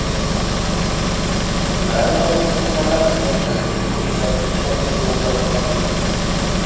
مەلۇم نۇقتىدىن ئېيتقاندا، بىۋاسىتە سېزىمنى ئىنكار قىلىشمۇ ئۆزىنى ئىنكار قىلغانلىقتۇر.